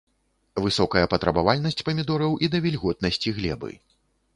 Высокая патрабавальнасць памідораў і да вільготнасці глебы.